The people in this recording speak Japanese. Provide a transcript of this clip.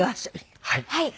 はい。